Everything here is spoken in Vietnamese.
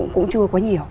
cũng chưa có nhiều